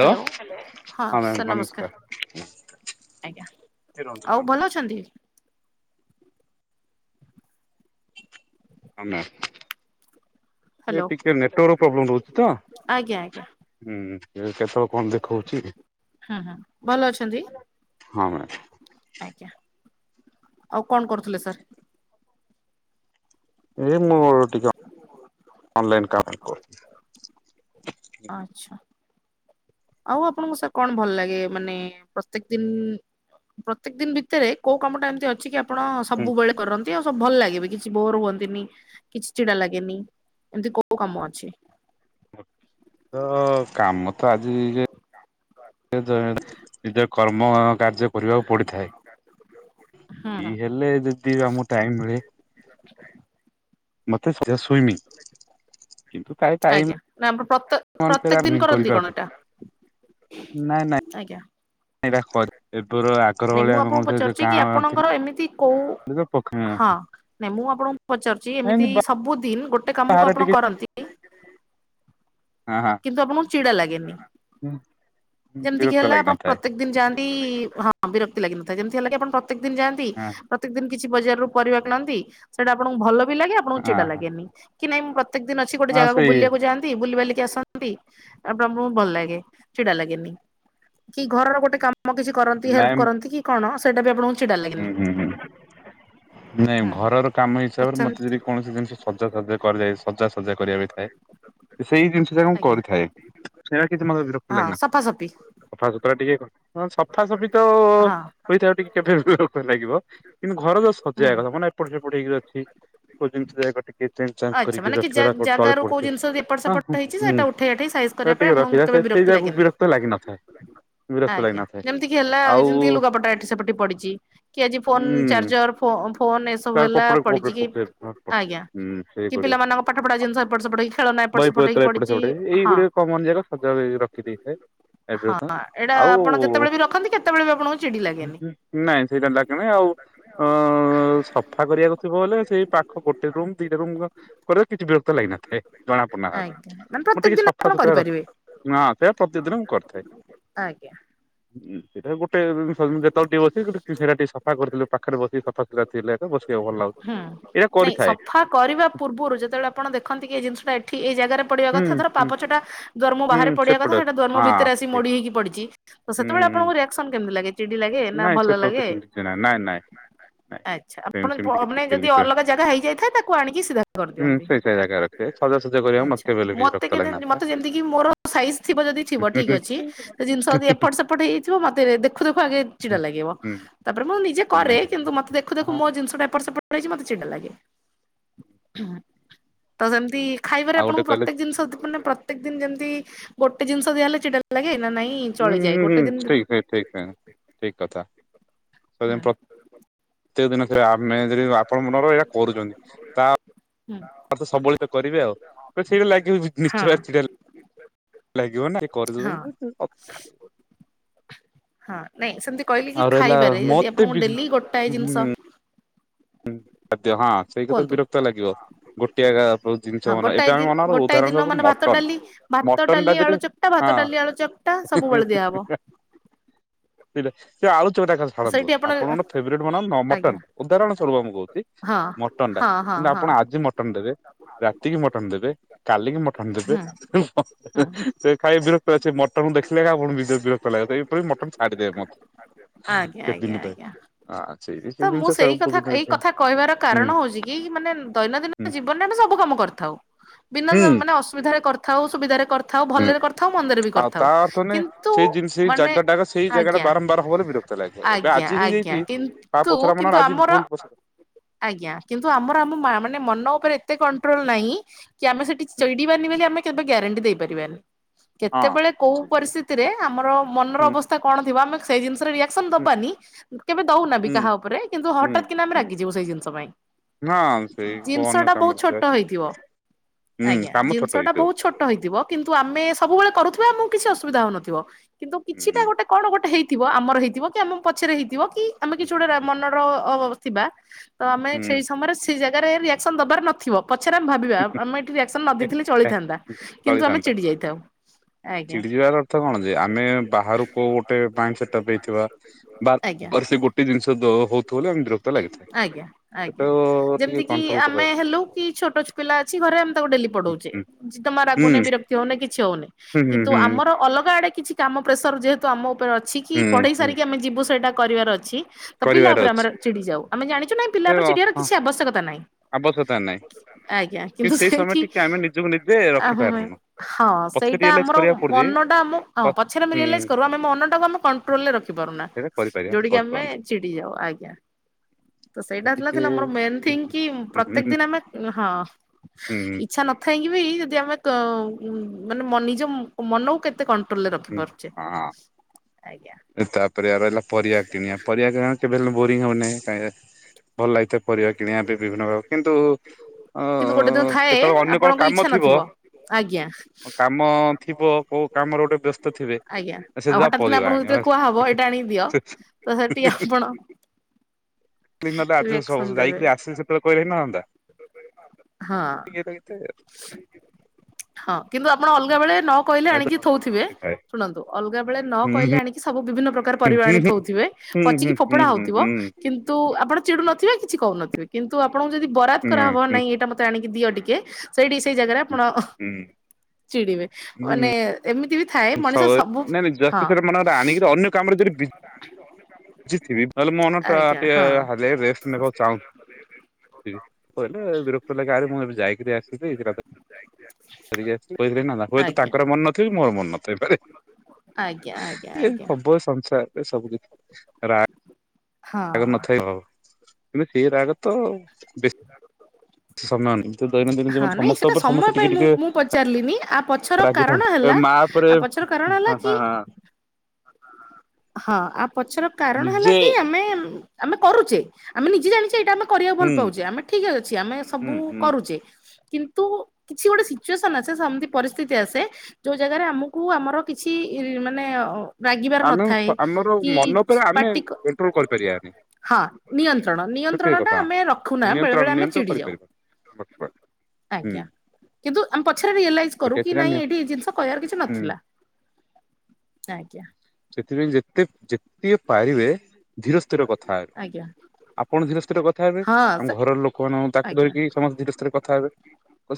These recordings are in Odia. ହ୍ୟାଲୋ ହଁ ସାର୍ ନମସ୍କାର। ଆଜ୍ଞା, ଆଉ ଭଲ ଅଛନ୍ତି? ହଁ ମ୍ୟାମ୍, ଏ ହ୍ୟାଲୋ ଟିକେ ନେଟୱାର୍କ ପ୍ରୋବ୍ଲେମ ରହୁଛି ତ। ଆଜ୍ଞା ଆଜ୍ଞା ହୁଁ କେତେବେଳେ କଣ ଦେଖଉଛି। ହୁଁ ହୁଁ ଭଲ ଅଛନ୍ତି? ହଁ ମ୍ୟାମ୍ [inaudible] ଆଜ୍ଞା, ଆଉ କଣ କରୁଥିଲେ ସାର୍? ଏଇ ମୁଁ ଟିକେ ଅନଲାଇନ୍ କାମ୍ କରୁ [unintelligible] ଆଚ୍ଛା। ଆଉ ଆପଣଙ୍କୁ ସାର୍ କଣ ଭଲ ଲାଗେ ମାନେ ପ୍ରତ୍ୟେକ ଦିନ୍? ପ୍ରତ୍ୟେକ ଦିନ ଭିତରେ କୋଉ କାମଟା ଏମିତି ଅଛି କି ଆପଣ ସବୁବେଳେ କରନ୍ ତି ଆଉ ସବୁ ଭଲ ଲାଗେ ବି କିଛି ବୋର୍ ହୁଅନ୍ତିନି କିଛି ଚିଡା ଲାଗେନି ଏମିତି କୋଉ କାମ ଅଛି? ତ କାମ ତ ଆଜି ଯେ [unintelligible] ନିଜ କର୍ମ କାର୍ଯ୍ୟ କରିବାକୁ ପଡିଥାଏ, ହୁଁ ଇ ହୁଁ ଦେଲେ ଯଦି ଆମକୁ ଟାଇମ୍ ମିଳେ ମତେ [unintelligible] ସୁମିଂ। ଆଜ୍ଞା ନା ଆମର ପ୍ରତ ପ୍ରତ୍ୟେକ ଦିନ୍ କରନ୍ତି କଣ କରିପାରୁ ଏଟା? ନାଇଁ ନାଇଁ ଆଜ୍ଞା। ଏଇଟା କର୍ ଏବେରୁ [unintelligible] ନାଇଁ ମୁଁ ଆପଣଙ୍କୁ ପଚାରୁଛି କି ଆପଣଙ୍କର ଏମିତି କୋଉ ହଁ ନାଇଁ ମୁଁ ଆପଣଙ୍କୁ ପଚାରୁଛି ଏମିତି ସବୁଦିନ ଗୋ ଟେ କାମକୁ ବାହାରେ ଆପଣ ଟିକେ କରନ୍ତି। ହଁ, ହଁ। କିନ୍ତୁ ଆପଣଙ୍କୁ ଚିଡ଼ା ଲାଗେନି, ଯେମତିକି ବିରକ୍ତ ହେଲା ଆପଣ ଲାଗିନଥାଏ ପ୍ରତ୍ୟକ ଦିନ୍ ଯାଆନ୍ତି ହଁ ବିରକ୍ତି ଲାଗିନଥାଏ ଯେମିତି ହେଲା କି ଆପଣ ପ୍ରତ୍ୟେକ ଦିନ୍ ଯାଆନ୍ତି। ହଁ ପ୍ରତ୍ୟେକ ଦିନ୍ କିଛି ବଜାରରୁ ପରିବା କିଣନ୍ତି ସେଇଟା ଆପଣଙ୍କୁ ଭଲବି ଲାଗେ ଆପଣଙ୍କୁ ହଁ ଚିଡ଼ା ଲାଗେନି। କି ନାଇଁ ମୁଁ ପ୍ରତ୍ୟକ ଦିନ୍ ଅଛି ଗୋଟେ ହଁ ଜାଗାକୁ ସେଇ ବୁଲିବାକୁ ଯଆନ୍ତି ବୁଲି ବାଲି ଆସ ନ୍ତି ଆ [unintelligible] ଭଲ ଲାଗେ ଚିଡା ଲାଗେନି, କି ଘରର ଗୋଟେ କାମ୍ ମ କିଛି କରନ୍ତି ହେଲ୍ପ ନାଇଁ କରନ୍ତି କି କଣ ସେଇଟା ବି ଆପଣଙ୍କୁ ଚିଡା ହୁଁ ଲାଗେନି ହୁଁ ହୁଁ, ନାଇଁ ହୁଁ ଘରର କାମ ତ ହିସାବରେ ମତେ ସେମିତି ଯଦି କୌଣସି ଜିନିଷ ସଜାସଜା କରାଯାଏ ସଜା ସଜା କରିବା ବି ଥାଏ ସେଇ ଜିନିଷ ଯାକ ମୁଁ ଆଜ୍ଞା କରିଥାଏ, ସେଇଟା କିଛି ମତେ ବିରକ୍ତ ହଁ ଲାଗିନା ସଫାସଫି। ସଫାସୁତୁରା ଟିକେ କଣ, ହଁ ସଫାସଫି ତ ହଁ ହୋଇଥାଉ ଟିକେ କେବେ [unintelligible] ଲାଗିବ କିନ୍ତୁ ଘର ଯୋଉ ହୁଁ ସଜେଇବା କଥା ମାନେ ଏପଟ ସେପଟ ହେଇକି ଅଛି କୋଉ ଜିନିଷ ଯାକ ଟିକେ ଚେଞ୍ଜ୍ ଚାଞ୍ଜ୍ ଆଚ୍ଛା କରିକି ମାନେ କି ରଖିବାଟା [unintelligible] ତଳେ ଜାଗାରୁ କୋଉ ପଡ଼ିଥିବ, ଜିନିଷ ଏପଟ ହଁ ସେପଟ ହୁଁ ହେଇଛି ସେଇଟା ହୁଁ। ଉଠେଇ ଆଠେଇ ସାଇଜ କରିବା ହେ ପାଇଁ ଟିକେ ଆପଣଙ୍କୁ ରଖିଥା କେବେ ସେ ବିରକ୍ତି ସେଇ ଜାଗାକୁ ଲାଗେନି। ବିରକ୍ତ ଲାଗିିନଥାଏ ବିରକ୍ତ ଲାଗିିନଥାଏ। ଯେମିତିକିି ହେଲା କି ଯେମିତିକି ଲୁଗାପଟା ଏଠି ସେପଟି ପଡିଚି। କି ଆଜି ଫୋନ୍ ହୁଁ ଚାର୍ଜର ଫୋ ଫୋନ୍ ଏସବୁ ତାର ହେଲା କପଡା କପଡା ପଡିଚିକି ପକେଇବାକୁ ପଡିଥାଏ ଆଜ୍ଞା। ହୁଁ କି ସେଇଗୁଡ଼ିକ, ପିଲାମାନଙ୍କ ପାଠ ପଢା ଜିନିଷ ଏପଟ ସେପଟ ହେଇକି ଖେଳନା ଏପଟ ସେପଟ ହେଇକି ବହିପତ୍ର ଏପଟ ପଡିଛି ସେପଟ ହେଇ ହଁ। ଏଇଗୁଡ଼ିକ କମନ୍ ଯାକ ସଜାଗ ହେଇ ର ରଖି ଦେଇଥାଏ, ଏବେ ହଁ କଥା ଏଇଟା ଆଉ ଆପଣ ଯେତେବେଳେ ବି ରଖନ୍ତି କେତେବେଳେ ବି ଆପଣଙ୍କୁ ଚିଡି ଲାଗେନି। ନାଇଁ ସେ ଜାଣିଲା କିଣି ଆଉ ହଁ ସଫା କରିବାକୁ ଥିବ ହେଲେ ସେଇ ପାଖ ଗୋଟେ ରୁମ୍ ଦିଇଟା ରୁମ୍ କରିବ କିଛି ବିରକ୍ତ ଲାଗିିନଥାଏ ଜଣାପଡୁନାଥାତେ। ଆଜ୍ଞା ମାନେ ମୁଁ ପ୍ରତ୍ୟେକ ଟିକେ ଦିନ ଆପଣ ସଫାସତୁରା ର କରିପାରିବେ ହଁ ସେଇଆ ପ୍ରତି ଦିନ ମୁ କରିଥାଏ ଆଜ୍ଞା। ଉଁ ସେଇଟା ଗୋଟେ ଯେତବେଳେ ଟିକେ ବସିବି ସେଇଟା ଟିକେ ସଫା କରିଦେଲ ପାଖରେ ବସି ସଫା ସୁୁତୁରା। ଥିଲେ ଏକା ବସିବାକୁ ଭଲ ଲାଗୁଛି ହୁଁ। ଏଇଟା ନାଇଁ କରିଥାଏ। ସଫା କରିବା ପୂର୍ବରୁ ଯେତେବେଳେ ଆପଣ ଦେଖନ୍ତି କି ଏଇ ଜିନିଟା ଏଠି ଏଇ ଜାଗାରେ। ପଢିବା ହୁଁ କଥା ଧର ପା ହୁଁ ପଛଟା ଦୁଆର ମୁହଁ ହୁଁ ବାହାରେ ପଡିବା କଥା ସେପଟେ ସେଇଟା ଦୁଆର ମୁହଁ ହଁ ଭିତରେ ଆସି ଠିକ ମୋଡି ହେଇକି ପଡିଛି। ତ ସେତବେଳେ ହୁଁ। ଆପଣଙ୍କୁ ରିଆକ୍ସନ କେମତି ଲାଗେ। ଚିଡି ଲାଗେ ନା ନାଇଁ ଭଲ ସେ ତ ଲାଗେ କିଛି କିଛି ନାଇଁ ନାଇଁ ନାଇଁ ନାଇଁ। ଆଛା ଆପଣ ସେମ ପ ସେମିତି କିଛି ମାନେ ଯଦି ଫିଲିଙ୍ଗସ୍ ଅଲଗା ଜାଗା ହେଇ ଯାଇଥାଏ ତାକୁ ଆଣିକି ସିଧା ହୁଏ ହୁଁ କରିଦିଅନ୍ତି ସେଇ ସେଇ ଜାଗା ରଖିବେ ସଜାସଜା କରିବାକୁ ମତେ ଆଛା। ବେଲେ ବି ମତେ ରକ୍ତ କେ ଯେମିତି ଲାଗିନଥାଏ। ମତେ ଯେମିତି କିି ମୋର ସାଇଜ୍ ଥିବ ଯଦି ଥିବ ହୁଁ ଠିକ ହୁଁ ଅଛି ଜିନିଷ ଯଦି ଏପଟ ସେପ ଟ୍ ହେଇ ଯାଇଥିବ ମତେ ଦେଖୁ ଦେଖୁ ଆଗେ। ଛିଡ଼ା ଲାଗିବ ହୁଁ ତାପରେ ମୁଁ ନିଜେ ହୁଁ, କରେ ନାଇଁ କିନ୍ତୁ ମତେ ଦେଖୁ ଦେଖୁ ହଁ ମୋ ଜିନିଷଟା। ଏପଟ ସେପଟ ହେଇଛି ମତେ ଚିଡା ଲାଗେ। ତ ସେମିତି ଖାଇବାରେ ଆଉ ଗୋଟେ ଆପଣଙ୍କୁ କହିଲେ ପ୍ରତ୍ୟେକ ଜିନିଷ ମାନେ ପ୍ରତ୍ୟେକ ଦିନ ଯେମିତି ଗୋଟେ ଜିନିଷ ଦିଆହଲେ ଚଡା ଲା ଲାଗେ ନା ନାଇଁ। ହୁଁ ହୁଁ ଠିକ ସେ ଠିକ ସେ ଠିକ କଥା ହୁଁ ସେ ପ୍ର ପ୍ରତ୍ୟେକ ଦିନ ସେ ଆମେ ଯଦି ଆପଣ ମନେକର ଏଇଟା କରୁଛନ୍ତି ତା ହୁଁ ତା ଅର୍ଥ ସବୁବେଳେ ତ କରିବେ ଆଉ ତ ସେଇଟା ଲାଗିବ ହଁ ନିଶ୍ଚୟ ଭାବରେ ଛିଡ଼ା। ଲାଗିବ ନା କିଏ କରିଦଉଛନ୍ତି ହାଁ ନାଇଁ ସେମିତି କହିଲି କି ଆଉ ରହିଲା ଖାଇବାରେ ଯଦି ମତେ ଆପଣଙ୍କୁ ବି ଡେଲି ଗୋଟାଏ ଜିନିଷ। ହୁଁ ଖାଦ୍ୟ ହଁ। ସେଇଟା ତ କୁହନ୍ତୁ ବିରକ୍ତ ଲାଗିବ ଗୋଟିଏ ଏକା ହଁ ଜିନିଷ ମାନେ ଗୋଟାଏ ଏବେ ଦିନ ଆମେ ମନେକର ଗୋଟାଏ ଉଦାହରଣ ଦିନ ଦବୁ ମାନେ ଭାତ ମଟନ। ଡାଲି ଭାତ ମଟନ ଟା ଡାଲି ଯଠି ଆଳୁ ଚକଟା ଭାତ ଡାଲି ଆଳୁ ଚକଟା ସବୁବେଳେ ଦିଆହବ ହଁ। ସେଇଟା ସେ ଆଳୁ ଚକଡା କଥା ଛାଡ଼ନ୍ତୁ ସେଇଠି ଆପଣ ଆପଣଙ୍କ ଫେବରେଟ ବନାନ୍ତୁ ନା ଆଜ୍ଞା ମଟନ୍ ଉଦାହରଣ। ସ୍ୱରୁପ ମୁଁ କହୁଛି ହଁ ମଟନ ଟା ହଁ ହଁ କିନ୍ତୁ ହଁ ଆପଣ ଆଜି ମଟନ ଦେବେ। ରାତି କିି ମଟନ୍ ଦେବେ କାଲିକି ମଟନ୍ ଦେବେ ହୁଁ ହୁଁ ସେ ଖାଇ ବିରକ୍ ମଟନ କୁ ଦେଖିଲେ ଏକା ଆପଣ ଙ୍କୁ ନିଜକୁ ବିରକ୍ତ ଲାଗିବ ଏଇପରି ମଟନ୍ ଛାଡିଦେବେ ମଧ୍ୟ। ଆଜ୍ଞା ଆଜ୍ଞା ଆଜ୍ଞା। ହଁ ସେତି ତ ସେଇ ମୁଁ ଜିନିଷ ସବ କଥା ଏଇ କଥା କହିବାର କାରଣ ହଉଛି କି ମାନେ ଦୈନନ୍ଦିନ ଜୀବନରେ ଆମେ ସବୁ କାମ କରିଥାଉ। ବିନା ହୁଁ ମାନେ ଅସୁବିଧାରେ କରିଥାଉ ସୁବିଧାରେ କରିଥାଉ। ଥାଉ ହୁଁ। ଭଲରେ କରିଥାଉ ମନ୍ଦରେ ବି ଆଉ କରିଥାଉ ତା ଅର୍ଥ ନୁହେଁ କିନ୍ତୁ ସେଇ ଜିନିଷ ସେଇ ମାନେ ଜାଗା ଟା ସେଇ ଜାଗା ଟା ଆଜ୍ଞା। ବାରମ୍ବାର ହବ ବୋଲି ବିରକ୍ତ ଲାଗିବ ଏବେ ଆଜ୍ଞା ଆଜି ଆଜ୍ଞା ହେଇଯାଇଛି ତା କିନ୍ତୁ ପଛରେ ମନ କିନ୍ତୁ ଆମର। [inaudible] ଆଜ୍ଞା କିନ୍ତୁ ଆମର ଆମ ମା ମାନେ ମନ ଉପରେ ଏତେ କଣ୍ଟ୍ରୋଲ ନାହିଁ। କି ଆମେ ସେଠି ଚଡିବାନି ବେଲି ଆମେ କେବେ ଗ୍ୟାରେଣ୍ଟି ଦେଇ ପାରିବାନି। ହଁ କେତେବେଳେ କୋଉ ହୁଁ ପରିସ୍ଥିତିରେ ଆମର ମନର ଅବସ୍ଥା କଣ ଥିବ ଆମେ ସେଇ ଜିନିଷରେ ରିଆକ୍ଟ। ସନ୍ ହୁଁ ଦବାନି କେବେ ଦଉନା ବି ହୁଁ କାହା ଉପରେ କିନ୍ତୁ ହୁଁ ହଠାତ୍ କିନା ଆମେ ହୁଁ ରାଗି ଯିବୁ ସେଇ ଜିନିଷ ପାଇଁ ହଁ ସେଇ କୋଉ ଜିନିଷ ଅନ୍ୟ ଟା ବହୁତ କାମରେ ଥିବା ଛୋଟ ସେ ହେଇଥିବ। ହୁଁ ଆଜ୍ଞା କାମ ଛୋଟ ଜିନିଷ ଟା ହେଇଥିବ ବହୁତ ଛୋଟ ହେଇଥିବ। କିନ୍ତୁ ଆମେ ସବୁବେଳେ କରୁଥିବା ଆମକୁ କିଛି ଅସୁବିଧା ହଉ ନଥିବ କିନ୍ତୁ କିଛିଟା ହୁଁ ଗୋଟେ। କଣ ଗୋଟେ ହେଇଥିବ ଆମର ହେଇଥିବ କି ଆମ ପଛରେ ହେଇଥିବ କି ଆମେ ହୁଁ କିଛି ଗୋଟେ ହୁଁ ମନର ଅ ଥିବା। ତ ଆମେ ସେଇ ସମୟରେ ସେ ଜାଗାରେ ରିଆକ୍ସନ ଦବାର ନଥିବ। ପଛରେ ଆମେ ଭାବିବା ଆମେ ଏଇଠି ରିଆକ୍ସନ୍ ନ ଦେଇଥିଲେ ହୁଁ ଚଳିଥାନ୍ତା କିନ୍ତୁ ଆମେ ଚିଡ଼ି ଯାଇଥାଉ। ଆଜ୍ଞା ଚିଡି ଯିବାର ଅର୍ଥ କଣ ଯେ ଆମେ ବାହାରୁ କୋଉ ଗୋଟେ ମାଇଣ୍ଡ ସେଟ ଅପ୍ ହେଇଥିବା। ବାର ଆଜ୍ଞା। ବାର୍ ସେ ଗୋଟେ ଜିନିଷ ହଉଥିବ ବେଳେ ଆମେ ବିରକ୍ତ। ଲାଗିଥାଏ। ଆଜ୍ଞା ସେଟା ତ ଆଜ୍ଞା ଟିକେ ଯେମିତି କି କଣ୍ଟ୍ରୋଲ କରେ ଆମେ ହେଲୁ କି ଛୋଟ ଛ ପିଲା ଅଛି ଘରେ ଡେଲି ପଢଉଚି ହୁଁ ମା ହୁଁ ରାଗୁନ ବିରକ୍ତି ହଉନି କିଛି ହଉନି ହୁଁ ହୁଁ କିନ୍ତୁ ହୁଁ ଆମର ଅଲଗା ଆଡେ କିଛି କାମ ପ୍ରେସର ଯେହେତୁ ଆମ ଉପରେ ଅଛି କି ହୁଁ ପଢ଼େଇ ହୁଁ ସାରିକି ଆମେ ଯିବୁ ସେଇଟା କରିବାର ଅଛି। ତ ପିଲା କରିବାର ଉପରେ ଅଛି ଆମର ଚିଡି ଯାଉ ଆମେ ଜାଣିଛୁ ନାହିଁ ସେ ପିଲା ଉପରେ ଅ- ଚିଡିଆାର ହଁ କିଛି ଆବଶ୍ୟକତା ନାହିଁ। ଆବଶ୍ୟକତା ନାହିଁ ଆଜ୍ଞା କିନ୍ତୁ ସେଇ ସମୟ ସେଇଠି ଟିକେ ଆମେ ନିଜକୁ ନିଜେ ଆମେ ରଖିପାରୁନୁ ହଁ ପଛେ ସେଇଟା ରିଏଲାଇଜ ଆମର କରିବାକୁ ପଡୁଛି ମନଟା ଆମ ପ- ପଛରେ ଆମେ ହୁଁ ରିଲାଇଜ କରୁ ଆମେ ମନ ଟାକୁ ଆମେ କଣ୍ଟ୍ରୋଲରେ ରଖିପାରୁନା। ଯଦି କରି କରିପାରିବା କରୁ ଯୋଉଠିକି ଆମେ ଚିଡି ଯାଉ ଆଜ୍ଞା। ତ ସେଟା ସେଇଟା ଥିଲା ଟିକେ ଥିଲା ମୋର ମେନ୍ ହୁଁ ଥିଙ୍ଗ କି ହୁଁ ପ୍ରତ୍ୟକ ଦିନ ଆମେ ହଁ ହୁଁ ଇଛା ନ କହିଁକି ବି ଯଦି ଆମେ ମାନେ ନିଜ ମନକୁ କେତେ କଣ୍ କଣ୍ଡୋରେଲ୍ ହୁଁ ହୁଁ। ରଖିପାରୁଛେ ଆଜ୍ଞା। ତାପରେ ଆଉ ରହିଲା ପରିବା କିଣିବା ପରିବା କିଣିବା କେବେ ହେଲେ ବୋରିଙ୍ଗ ହଉନାହିଁ କାଁହିଁକି ଭଲ ଲାଗିଥାଏ ପରିବା କିଣିବା ବି ବିଭିନ୍ନ ପ୍ର କିନ୍ତୁ ଅ ଅ କିନ୍ତୁ ଗୋଟେ ଦିନ ଅ ଥାଏ କେତେବେଳେ ଅନ୍ୟ କଣ ଆପଣଙ୍କୁ କାମ ଇଚ୍ଛା ଥିବ ନଥିବ ଆଜ୍ଞା। କାମ ଥିବ କୋଉ କାମରେ ଗୋଟେ ବ୍ୟସ୍ତ ଥିବେ ଆଜ୍ଞା ଆଉ ସେଟା ହଠାତ୍ କିନା ପରିବା ଆପଣଙ୍କୁ ଆଣିବ। [inaudible] ଯେତେବେଳେ କୁହାହବ [unintelligible] ଏଇଟା ଆଣିକି ଦିଅ ତ ସେଠି ଆପଣ ଆସିଲ ରିଆକ୍ସନ ଦେବେ ସେତେବେଳେହିଲେ ହେଇ ନହାନ୍ତା। ହଁ ହଁ କିନ୍ତୁ ଆପଣ ଅଲଗା ବେଳେ ନ ନ କହିଲେ। ଆଣିକି ଥୋଉଥିବେ। ସୁଣନ୍ତୁ ଆଲାଗବେଲେ ନକାହିଲେ ସବୁ ବିଭିନ ପ୍ର ପ୍ରକାର ପରିବା ଆଣିଥଉଥିବେ ହୁଁ ହୁଁ ପଚିକି ହୁଁ ହୁଁ ଫୋଡା ହୁଁ ହଉଥିବ ହୁଁ କିନ୍ତୁ ଆପଣ ଚିଡୁ ନଥିବେ କିଛି କହୁନଥିବେ। କିନ୍ତୁ ଆପଣଙ୍କୁ ଯଦି ବରାଦ କରାହବ ନାଇଁ ଏଇଟା ମତେ ଆଣିକି ଦିଅ ଟିକେ। ସେଇଠି ସେଇ ଜାଗାରେ ହୁଁ। ଆପଣ ହୁଁ ଚିଡିବେ ମାନେ ଏମିତି ବି ଥାଏ ମଣିଷ ସବୁ ନାଇଁ ନାଇଁ ଜଷ୍ଟ ହଁ। ସେଟା ମନେକର ଆଣିକିରି ଜଥିବିଲେ ମନ ଟା ଆଜ୍ଞା ଟି ହଁ ରେଷ୍ଟ ନେବାକୁ ଚାହୁଁଥିଲି। କ କହିଲେ ବିରକ୍ତ ଲାଗି ଆରେ ମୁଁ ଏ ଯାଇକରି ଆସିିଇ କହିଥିଲି ନା। ହୁଏତ ଆଜ୍ଞା ତାଙ୍କର ମନ ନଥିବ ମୋର ମନ ନଥିବ ପାରେ ଆଜ୍ଞା ଆଜ୍ଞା ଏ ଆଜ୍ଞା। ହବ ସଂସାର। ଏ ସବୁ କିଛି ରା ହଁ ନଥାଏ ହ କିନ୍ତୁ ସେ ରାଗ ତ ଆଉ ସେ ରାଗତ ନୁହେଁ। ଆଉ ଦୈନନ୍ଦିନ ଜୀବନ ହଁ ନାଇଁ ସମସ୍ତ ସେଟା ଉପରେ ସମସ୍ତେ ସମୟ ଟିକେ ପାଇଁ ମୁଁ ଟିକେ ମୁଁ ପଚାରିଲିନି ଆ ପଛର କାରଣ ରାଗିଥାନ୍ତି ହେଲା ମା ଉପରେ ଆ ପଛର କାରଣ ହେଲା ହଁ କି ହଁ ହଁ ଆ ପଛର କାରଣ ହେଲା ନିଜେ କି ଆମେ ଆମେ କରୁଛେ ଆମେ ନିଜେ ଜାଣିଛେ ଏଇଟା ଆମେ କରିବାକୁ ଭଲ ହୁଁ ପାଉଛେ ଆମେ ଠିକ୍ ଅଛି ଆମେ ସବୁ ହୁଁ ହୁଁ କରୁଚେ। କିନ୍ତୁ କିଛି ଗୋଟେ ସିଚୁଏସନ ଆସେ ସେମତି ପରିସ୍ଥିତି ଆସେ। ଯୋଉ ଜାଗାରେ ଆମକୁ ଆମର କିଛି ମାନେ ରାଗିବାର ନ ଆମେ ଆମର ମନ ଉପରେ ଆମେ କଣ୍ଟ୍ରୋଲ କରିପାରିବାାନି। ହଁ ନିୟନ୍ତ୍ରଣ ନିୟନ୍ତ୍ରଣ ଟା ଆମେ ରଖୁନା ବେଳେ ନିୟନ୍ତ୍ରଣ ବେଳେ ଆମେ ନିୟନ୍ତ୍ରଣ ଚିଡି ଯାଉ। କରିପାରିବା। ହୁଁ ଆଜ୍ଞା କିନ୍ତୁ ଆମେ ପଛରେ ରିଅଲାଇଜ୍ କରୁ ଛୋଟିଆ କି ପିଲା ନାଇଁ ଏଇଠି ଜିନିଷ କହିବାର କିଛି ହୁଁ ନଥିଲା। ଆଜ୍ଞା। ସେଥିପାଇଁ ଯେତେ ଯେତିକି ପାରିବେ ଧିର ସ୍ଥିର କଥା। ହେବେ ଆଜ୍ଞା। ଆପଣ ଧୀରେ ସ୍ଥିୀରେ କଥା ହେବେ ହଁ ସେ ଆମ ଘରର ଲୋକ ମଙ୍କୁ ତାକୁ ଆଜ୍ଞା ଧରିକି ସମସ୍ତେ ଧୀରେ ସ୍ଥିରେ କଥା ହେବେ।।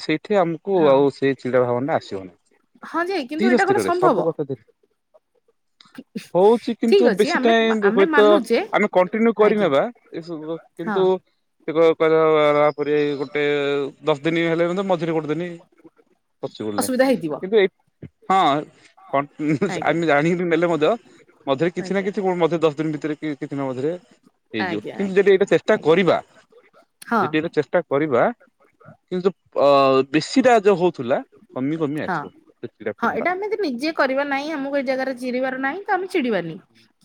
ସେଇଠି ଆମକୁ ହଁ ଆଉ ସେ ଚିଡ଼ା ଭାବନରେ ଆସିବ ହଁ ଯେ କିନ୍ତୁ ନାିଁ ଏଇଟା ଧ୍ଵର କଣ ସ୍ଥିରରେ ସମ୍ଭବ ସବୁ କଥା ଧିରେ। ହଉଛି ଠିକ୍ କିନ୍ତୁ ଅଛି ବେଶୀ ଆମେ ଟାଇମ ଆମେ ହୁଏତ ମାନୁଛେ ଆମେ କଣ୍ଟିନ୍ୟୁ ଆଜ୍ଞା କରିନେବା ଏସବୁ ହଁ କିନ୍ତୁ [unintelligible] ଗୋଟେ ଦଶ ଦିନ ହେଲେ ମଝିରେ ଗୋଟେ ଦିନ। କରୁଚୁ ବୋଲି ନାଇଁ ଅସୁବିଧା ହେଇଥିବ କିନ୍ତୁ ଏଇ- ହଁ [unintelligible] ଆଜ୍ଞା ଆମେ ଜାଣିକି ନେଲେ ମଧ୍ୟ [unintelligible] କିଛି ନା ଆଜ୍ଞା କିଛି। ପୁଣି ମଧ୍ୟ ଦଶ ଦିନ ଭିତରେ କି କିଛି ଦିନ ମଧ୍ୟରେ ହେଇଯିବ ଆଜ୍ଞା କିନ୍ତୁ ଆଜ୍ଞା ଯଠି ଏଇଟା ଚେଷ୍ଟା ଆଜ୍ଞା କରିବା ହଁ ଯଦି ଏଇଟା ଚେଷ୍ଟା କରିବା କିନ୍ତୁ ଅ ବେଶୀ ଟା ଯୋଉ ହଉଥିଲା କମି କମି ହଁ ଆସିବ ସେ ହଁ ଚିଡ଼ାପଣଟା ଏଇଟା ଆମେ ନିଜେ କରିବା ନାହିଁ ଆମକୁ ଏଇ ଜାଗାରେ ଚିରିବାର ନାହିଁ ତ ଆମେ ଚିଡିବାନି।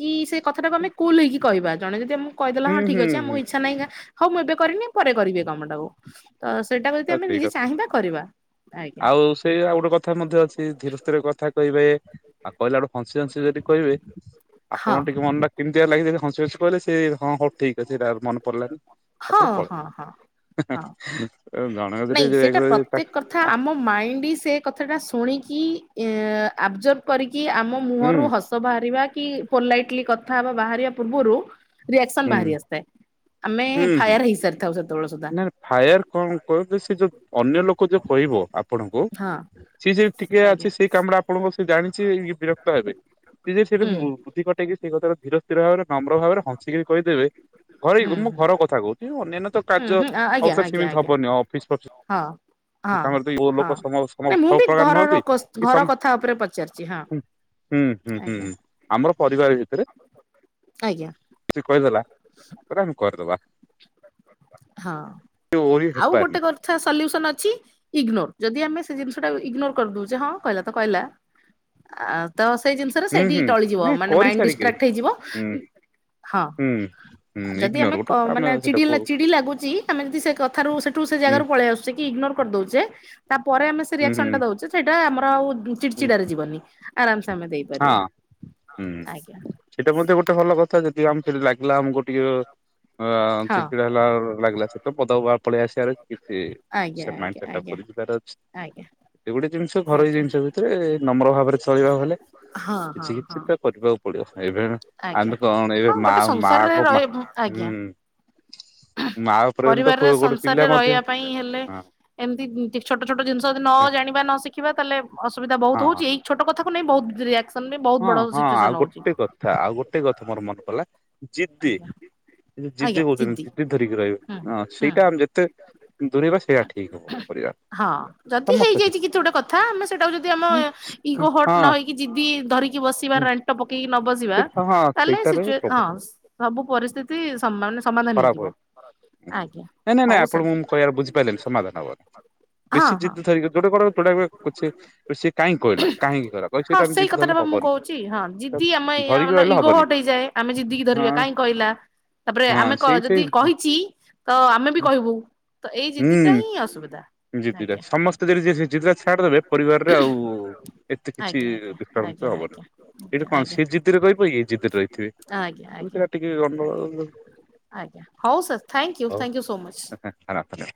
କି ସେ କଥାଟାକୁ ଆମେ କୁଲ ହେଇକି କହିବା ଜଣେ ଯଦି ଆମକୁ କହିଦେଲା ହୁଁ ହଁ ହୁଁ ଠିକ ଅଛି ଆମକୁ ହୁଁ ଇଚ୍ଛା ନାହିଁ କା ହଉ ମୁଁ ଏବେ କରି ବିନି ପରେ କରିବି ସେ କାମଟାକୁ। ତ ସେଇଟା ଯଦି ଆଉ ଆମେ ସେଇ ନିଜେ କଥା ଚାହିଁବା କରିବା ଆଜ୍ଞା। ଆଉ ସେଇ ଆଉ ଗୋଟେ କଥା ମଧ୍ୟ ଅଛି ଧୀରେ ଧୀରେ କଥା କହିବେ ଆଉ କହିଲା ଗୋଟେ ଫସି ଫଂସି କରି କହିବେ। ଆପଣ ହଁ ଟିକେ ମନ ଟା କେମିତି ଲାଗି ହସି ହସି କହିଲେ ସେ ହଁ ହଉ ଠିକ୍ ଅଛି ସେଇଟା ମନେ ପଡିଲାନି। ହଁ ତାପରେ ପଳେ ହଁ ହଁ ହଁ [unintelligible] ହଁ ଆମ ମାଇଣ୍ଡି ସେ କଥାଟା ଶୁଣିକି ଏ ଆବଜର କରିକି ଆମ ହୁଁ ମୁହଁରୁ ହସ ବାହାରିବା କି [unintelligible] କଥା ବା ବାହାରିବା ପୂର୍ବରୁ ରିଆକ୍ସନ ହୁଁ ବାହାରି ଆସିଥାଏ ଆମେ ହୁଁ। ଫାୟାର ହେଇସାରିଥାଉ ସେତେବେଳେ ସୁଦ୍ଧା ନା ଫାୟାର କଣ କହ ସେ ଯୋଉ ଅନ୍ୟ ଲୋକ ଯୋଉ କହିବ ଆପଣଙ୍କୁ ହଁ ସିଏ ଯେ ଟିକେ ଅଛି ଆଜ୍ଞା। ସେଇ କାମ ଟା ଆପଣଙ୍କ ସେ ଜାଣିଛି ବିରକ୍ତ ହେବେ ସିଏ ଯେ ସେଟା ହୁଁ ବୁଦ୍ଧି ଖଟେଇକି ସେଇ କଥାରେ ଧୀର ସ୍ଥିର ଭରେ ନମ୍ର ଭାବରେ ହସିକି କହିଦେବେ ଘରେ ହୁଁ ମୁଁ ଘର କଥା କହୁଛି ଅନ୍ୟାନ୍ୟ ତ ହୁଁ କାର୍ଯ୍ୟ ହୁଁ ଆଜ୍ଞା ଆଜ୍ଞା [unintelligible] ସେମିତି ଆଜ୍ଞା ହବନି ଅଫିସ ହଁ ହଁ ଫଫିସ ତାଙ୍କ [unintelligible] ହଁ। ଲୋକ ସବୁ ନାଇଁ ମୁଁ ବି ପ୍ରକାର ଘରର ନୁହନ୍ତି ଘର କଥା ଉପରେ ପଚାରିଛି ହଁ [unintelligible] ହୁଁ ହୁଁ ଆଜ୍ଞା ହୁଁ ଆମର ପରିବାର ଭିତରେ ଆଜ୍ଞା। ସେ କହିଦେଲା। [unintelligible] କରିଦେବା ଓ ହେପାରି ସାର ସଲ୍ୟୁସନ୍ ଅଛି। ଇଗ୍ନୋନୋର ଯଦି ଆମେ ସେ ଜିନିଷଟା ଇଗନୋର କରିଦଉଛେ ହଁ କହିଲା ତ କହିଲା। ଆ ତ ସେଇ ଜିନିଷରେ ହୁଁ ସେଇଠି ହୁଁ ଟଳିଯିବ ନାଇଁ ମାନେ ମାଇଣ୍ଡ କରିସାରିକିରି ଡିଷ୍ଟ୍ରାକ୍ଟ ହେଇଯିବ। ହୁଁ ହଁ। ହୁଁ। ହୁଁ ଯଦି ଇଗ୍ନୋର ଆମେ ଗୋଟେ କ ମାନେ ସେଟା ଚିଡି କହୁ ଚିଡି ଲାଗୁଛି ଆମେ ଯଦି ସେ କଥାରୁ ସେଠୁ ସେ ହୁଁ ଜାଗାରୁ ପଳେଇ ଆସୁଛେ କି ଇଗ୍ନୋର କରି ଦଉଛେ ତା ପରେ ଆମେ ସେ ହୁଁ ରିଆକ୍ସନ ହୁଁ ଟା ଦଉଛେ। ସେଇଟା ଆମର ଆଉ ଚିଡି ହୁଁ ଚିଡାରେ ଯିବନି ଆରାମସେ ଆମେ ଦେଇପାରିବା ହଁ ହଁ ହୁଁ ଆଜ୍ଞା। ସେଇଟା ମଧ୍ୟ ଗୋଟେ ଭଲ କଥା ଯଦି ଆମେ ସେଠି ଲାଗିଲା ଆମକୁ ଟିକେ ଆ ହଁ ଚିଡ଼ଚିଡା ହେଲା ଲାଗିଲା [unintelligible] ପଦା ପଳେଇ ଆସିବାର କିଛି। ଆଜ୍ଞା ସେ ମାଇଣ୍ଡି ଆଜ୍ଞା ସେଟପ ଆଜ୍ଞା କରି ଯିବାର ଅଛି। ଆଜ୍ଞା। ଏ ଗୋଟେ ଜିନିଷ ଘରୋଇ ଆଜ୍ଞା ଜିନିଷ ଭିତରେ ନମ୍ର ଭାବରେ ଚଳିବା ଗଲେ ହଁ ହଁ କିଛି ହଁ କିଛି ବା କରିବା ଉପ ପଡିବ ଏବେ ଆମେ ଆଜ୍ଞା। ଆମେ କଣ ଏବେ ହଁ ମା ଗୋଟେ ସଂସାରରେ ମାଙ୍କ ମା ରହି ହୁଁ। ଆଜ୍ଞା ମା ଉପରେ ହେଲେ ତ ପରିବାରରେ ପୁଅ ଗୋଟେ ପିଲା ସଂସାରରେ ମଧ୍ୟ ରହିବା ପାଇଁ ହେଲେ ହଁ ଏମିତି ଛୋଟ ଛୋଟ ଜିନିଷ ଯଦି ନ ଜାଣିବା ନ ଶିଖିବା ତାହେଲେ ଅସୁବିଧାହୁ ଭଉତୁ ହଁ ହଉଛି। ଛୋଟ କଥାକୁ ନେଇ ବହୁତ ରିଆକ୍ସନ ବି ବହୁତ ବଡ ସିଚୁଏସନ ହଉଛି। ଥା ଆଉ ଗୋଟେ କଥା ମୋର ମନେ ପଡିଲା ଜିଦ୍ଦି ଆଜ୍ଞା ଜିଦି କହୁଛନ୍ତି ଜଦି ଧରିକି ହୁଁ ରହିବେ ହଁ ହୁଁ ସେଇଟା ଆମେ ଯେତେ ଦୂରେଇ ବା ସେଇଟା ଠିକ ହବ ପରିବା ହଁ ଯଦି ହେଇଯାଇଚି କିଛି ଗୋଟେ କଥା ଆମେ ସେଟାକୁ ଯଦି ଆମ ହଁ ଇଗୋ ହଟ୍ ନ ହେଇ କି ଯିଦି ଧରିକି ବସିବା ରେଣ୍ଟ ପକେଇକି ନ ବସିବା ସେଇଟା ହଁ ତାହେଲେ ସେଇଟାରେ ସିଚୁଏ ହଁ ପ୍ରଭାବ ସବୁ ପରିସ୍ଥିତି [unintelligible] ସମାଧାନ ହେଇଯିବ। ଆଜ୍ଞା। ନାଇଁ-ନାଇଁ-ନାଇଁ ହଉ ସାର୍ ଆପଣଙ୍କୁ ମୁଁ କହିବାର ବୁଝି ପାରିଲେନି ସମାଧାନ ହବନି ହଁ ବେଶୀ ହଁ। ଜିଦ୍ଦି ଧରିକି ଯୋଉଟା [unintelligible] ସେ-ସେ କାଇଁ କଇଲା କାହିଁକି କହିଲା। କହି ହଁ ସେଇଟା ଆମେ ସେଇ ଜିଦି କଥାଟା ଧରିଲେ ବା ମୁଁ ହବନି। କହୁଚି ହଁ ଜିଦ୍ଦି ଆମ ଧରିକି ରହିଲେ ଇଗୋ ହବନି ହଟ୍ ହେଇଯାଏ ଆମେ ଜିଦ୍ଦି କି ହଁ ଧିରିବା କାଇଁ କହିଲା। ତାପରେ ହଁ ଆମେ ସେଇ [unintelligible] ସେଇ ଯଦି କହିଚି ତ ଆମେ ବି କହିବୁ ତ ଏଇ ଜିଦ୍ଦି ଟା ହୁଁ ହିଁ ଅସୁବିଧା। ଆଜ୍ଞା [unintelligible] ସମସ୍ତେ ଯଦି ଜିଦ୍ଦିଟା ଛାଡିଦବେ ପରିବାରରେ ଆଉ ଏତେ କିଛି ଆଜ୍ଞା ଆଜ୍ଞା [unintelligible] ଆଜ୍ଞା ହବନି। ଏଇଟା ଆଜ୍ଞା କଣ ସିଏ ଜିଦ୍ଦିରେ [unintelligible] ଇଏ ଜିଦ୍ଦିରେ ରହିଥିବେ। ସେଇଟା ଟିକେ ଗଣ୍ଡଗୋଳ ଆଜ୍ଞା-ଆଜ୍ଞା-ଆଜ୍ଞା-ଆଜ୍ଞା ହଉ ସାର୍ ଥ୍ୟାଙ୍କୟୁ-ଥ୍ୟାଙ୍କୟୁ ସୋ ମଚ୍। ଖାରପ୍ ହଲେ